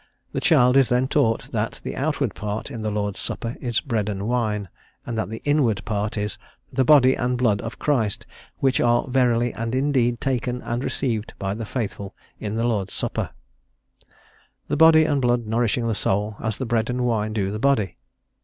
The child is then taught that the outward part in the Lord's Supper is bread and wine, and that the inward part is "The Body and Blood of Christ, which are verily and indeed taken and received by the faithful in the Lord's Supper," the body and blood nourishing the soul, as the bread and wine do the body.